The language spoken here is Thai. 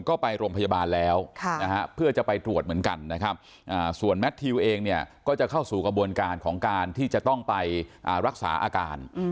ก็ไปโรงพยาบาลแล้วเพื่อจะไปตรวจเหมือนกันนะครับส่วนแมททิวเองเนี่ยก็จะเข้าสู่กระบวนการของการที่จะต้องไปรักษาอาการ